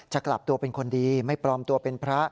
กลับตัวเป็นคนดีไม่ปลอมตัวเป็นพระ